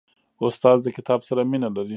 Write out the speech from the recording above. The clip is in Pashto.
استاد د کتاب سره مینه لري.